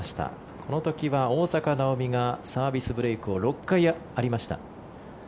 この時は大坂なおみがサービスブレークが６回ありました。